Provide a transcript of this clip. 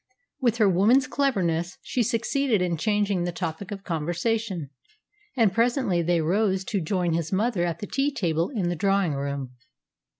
With her woman's cleverness, she succeeded in changing the topic of conversation, and presently they rose to join his mother at the tea table in the drawing room.